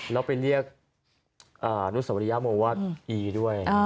แล้วไปเรียกอนุสวริยาโมว่าอีด้วย